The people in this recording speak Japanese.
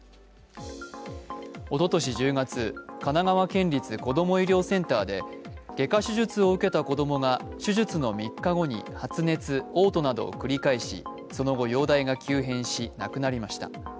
おととし１０月、神奈川県立こども医療センターで外科手術を受けた子供が手術の３日後に発熱、おう吐などを繰り返しその後、容体が急変し、亡くなりました。